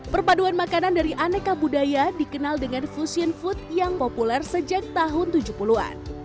perpaduan makanan dari aneka budaya dikenal dengan fusion food yang populer sejak tahun tujuh puluh an